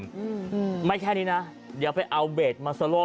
มันไม่แค่งี้นะอยากไปเอาเบคมาเนี่ยโครง